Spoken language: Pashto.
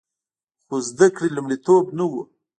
خو زده کړې لومړیتوب نه و